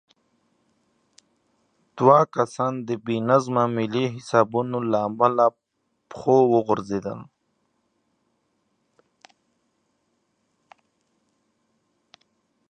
دوه کسان د بې نظمه مالي حسابونو له امله له پښو وغورځېدل.